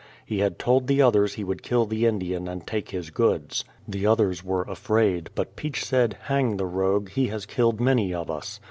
He had told the others he would kill the Indian and take his goods. The others were afraid; but Peach said. Hang the rogue, he has killed many of us.